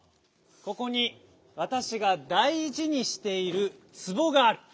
ここにわたしが大じにしているつぼがある。